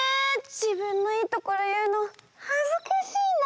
じぶんのいいところいうのはずかしいな。